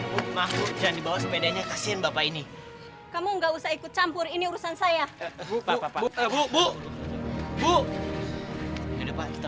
jangan dibawa sepedanya kasih bapak ini kamu enggak usah ikut campur ini urusan saya bu bu bu